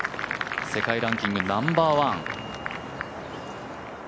世界ランキングナンバーワン。